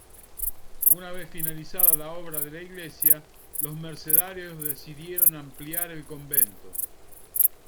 Una vez finalizada la obra de la iglesia, los mercedarios decidieron ampliar el convento.